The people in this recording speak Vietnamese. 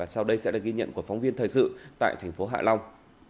sau đây sẽ được ghi nhận của phóng viên thời sự tại tp hạ long